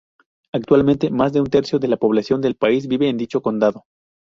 Actualmente, más de un tercio de la población del país vive en dicho condado.